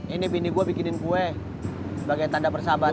ini bini gue bikinin kue bagai tanda persahabatan